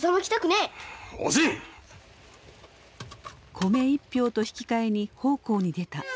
米一俵と引き換えに奉公に出た。